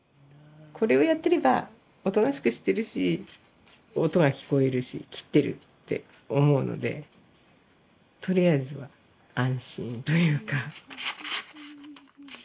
これをやってればおとなしくしてるし音が聞こえるし切ってるって思うのでとりあえずは安心というか。